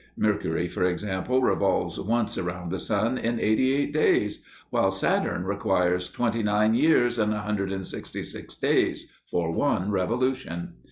Mercury, for example, revolves once around the sun in eighty eight days, while Saturn requires twenty nine years and 166 days for one revolution.